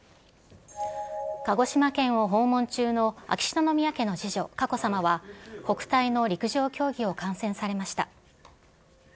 鹿児島県を訪問中の秋篠宮家の次女、佳子さまは、国体の陸上競技を観戦されました。